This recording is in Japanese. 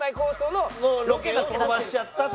のロケを飛ばしちゃったと。